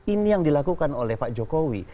ini yang dilakukan oleh pak jokowi